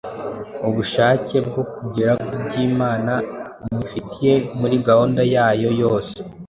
ubushake bwo kugera ku by’Imana umufitiye muri gahunda yayo yose